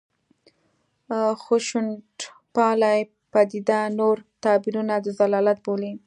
خشونتپالې پدیده نور تعبیرونه د ضلالت بولي.